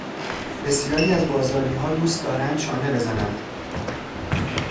بسیاری از بازاریها دوست دارند چانه بزنند.